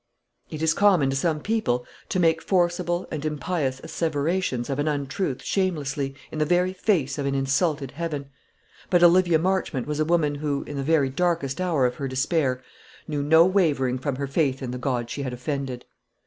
It is common to some people to make forcible and impious asseverations of an untruth shamelessly, in the very face of an insulted Heaven. But Olivia Marchmont was a woman who, in the very darkest hour of her despair, knew no wavering from her faith in the God she had offended.